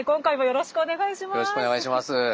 よろしくお願いします。